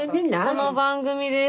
この番組です。